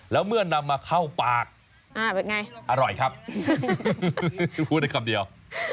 แล้วเมื่อนำมาเข้าปากอร่อยครับพูดได้คำเดียว